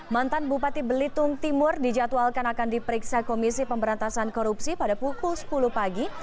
mantan bupati belitung timur dijadwalkan akan diperiksa komisi pemberantasan korupsi pada pukul sepuluh pagi